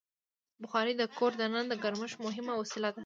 بخاري د کور دننه د ګرمښت مهمه وسیله ده.